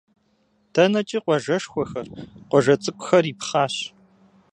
ДэнэкӀи къуажэшхуэхэр, къуажэ цӀыкӀухэр ипхъащ.